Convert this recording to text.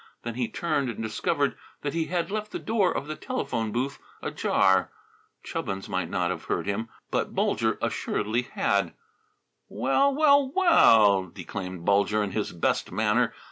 Then he turned and discovered that he had left the door of the telephone booth ajar. Chubbins might not have heard him, but Bulger assuredly had. "Well, well, well!" declaimed Bulger in his best manner.